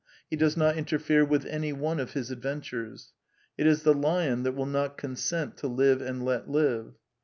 He does not interfere with any one of his adventures. It is the lion that will not consent to live and let live.